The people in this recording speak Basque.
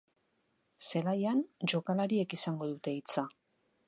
Zelaian jokalariek izango dute hitza.